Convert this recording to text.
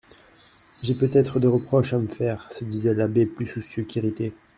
J'ai peut-être des reproches à me faire, se disait l'abbé plus soucieux qu'irrité.